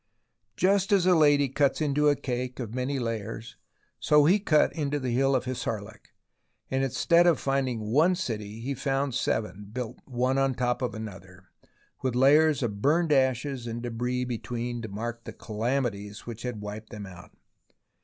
Just as a lady cuts into a cake of many layers, so he cut into the Hill of Hissarlik, and instead of finding one city he found seven, built one on top of another, with layers of burned ashes and debris between to mark the calamities which had wiped them out.